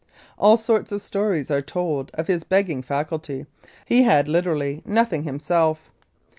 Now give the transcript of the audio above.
All sorts of stories are told of his begging faculty. He had literally nothing himself.